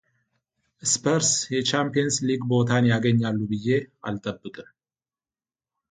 ሰፐርስ የቻምፒየንስ ሊግ ቦታን ያገኛሉ ብዬ አልጠብቅም።